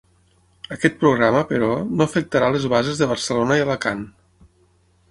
Aquest programa, però, no afectarà les bases de Barcelona i Alacant.